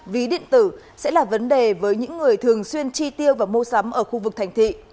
ví điện tử sẽ là vấn đề với những người thường xuyên chi tiêu và mua sắm ở khu vực thành thị